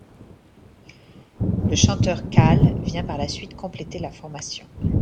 Le chanteur Kåle vient par la suite compléter la formation.